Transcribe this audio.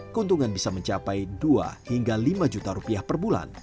keuntungan bisa mencapai dua hingga lima juta rupiah per bulan